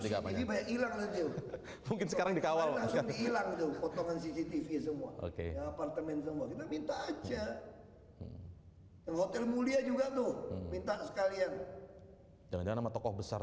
sekarang dikawal semua oke kita aja hotel mulia juga tuh minta sekalian dengan nama tokoh besar